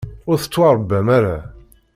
Ur tettwaṛebbam ara.